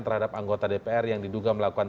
terhadap anggota dpr yang diduga melakukan